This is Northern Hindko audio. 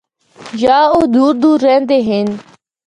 یا او دور دور رہندے ہن۔